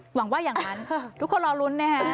หวังว่าอย่างนั้นทุกคนรอลุ้นนะฮะ